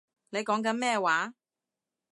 你講緊咩話